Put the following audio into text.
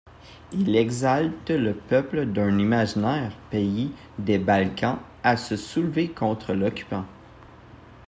Il exalte le peuple d'un imaginaire pays des Balkans à se soulever contre l'occupant.